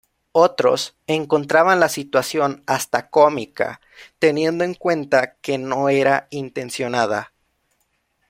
Otros, encontraban la situación hasta cómica teniendo en cuenta que no era intencionada.